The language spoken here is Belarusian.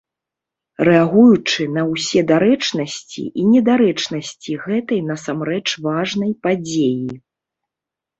Рэагуючы на ўсе дарэчнасці і недарэчнасці гэтай насамрэч важнай падзеі.